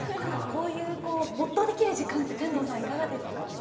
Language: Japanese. こういうこう没頭できる時間って天童さんいかがですか？